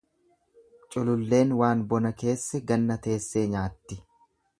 Cululleen waan bona keesse ganna teessee nyaatti.